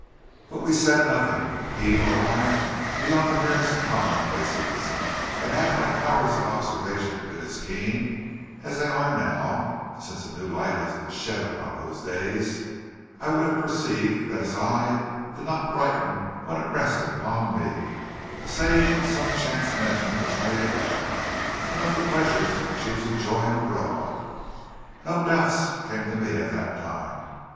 "But we said nothing, he or I, beyond the merest commonplaces, and had my powers of observation been as keen then as they are now, since a new light has been shed upon those days, I would have perceived that his eye did not brighten when it rested upon me, save when some chance mention was made of Emma, and of the pleasures she was enjoying abroad. But no doubts came to me at that time.